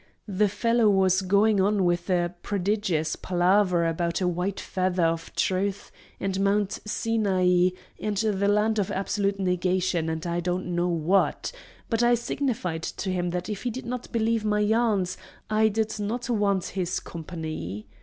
The fellow was going on with a prodigious palaver about a white feather of Truth, and Mount Sinai, and the Land of Absolute Negation, and I don't know what, but I signified to him that if he did not believe my yarns I did not want his company.